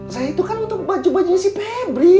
saya itu kan untuk baju bajunya si febri